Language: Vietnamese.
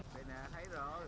có nhiều nguyên nhân dẫn tới